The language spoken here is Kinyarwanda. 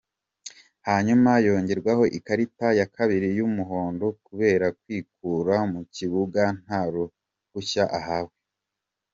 Hanyuma yongerwa ikarita ya kabiri y'umuhondo kubera kwikura mu kibuga nta ruhushya ahawe.